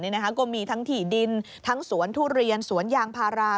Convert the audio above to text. ก็มีทั้งถี่ดินทั้งสวนทุเรียนสวนยางพารา